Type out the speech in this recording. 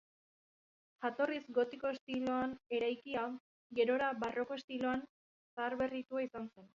Jatorriz gotiko estiloan eraikia, gerora barroko estiloan zaharberritua izan zen.